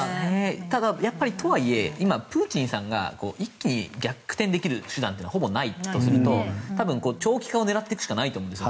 ただ、とはいえ今、プーチンさんが一気に逆転できる手段がほぼないとすると多分、長期化を狙っていくしかないと思うんです。